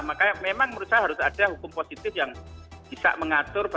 makanya memang menurut saya harus ada hukum positif yang bisa mengatur bagaimana konten itu diproduksi